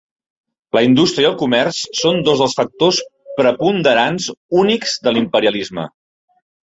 La indústria i el comerç són dos dels factors preponderants únics de l'imperialisme.